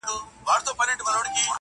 ګله له تا هم زلمي ډاریږي!.